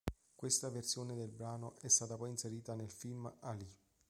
Questa versione del brano è stata poi inserita nel film "Alì".